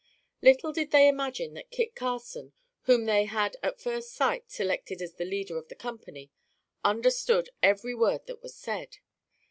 Little did they imagine that Kit Carson, whom they had at first sight selected as the leader of the company, understood every word that was said.